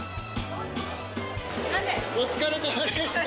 お疲れさまでした。